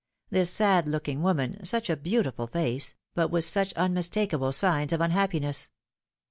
This sad looking woman such a beautiful face, but with such unmis takable signs of unhappiness.